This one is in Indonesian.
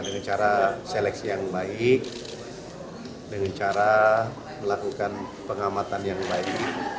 dengan cara seleksi yang baik dengan cara melakukan pengamatan yang baik